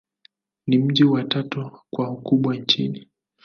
Ni mji wa tatu kwa ukubwa nchini.